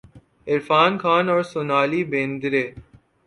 عرفان خان اور سونالی بیندر ے